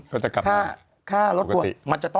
ก็จะกลับมาปกติ